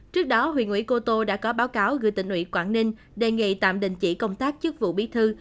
trước đó huyện ủy cô tô đã có báo cáo gửi tỉnh ủy quảng ninh đề nghị tạm đình chỉ công tác chức vụ bí thư